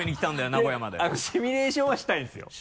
名古屋までシミュレーションはしたいんですよ